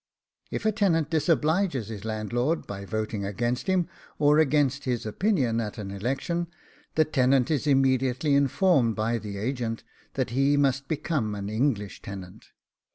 If a tenant disobliges his landlord by voting against him, or against his opinion, at an election, the tenant is immediately informed by the agent that he must become an ENGLISH TENANT.